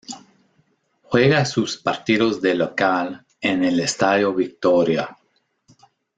Juega sus partidos de local en el Estadio Victoria.